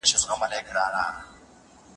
بخارا ته وږمه یوسه